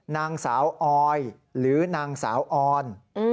นางสาวออยหรือนางสาวออน